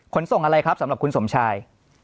ขนส่งอะไรครับสำหรับคุณสมชาย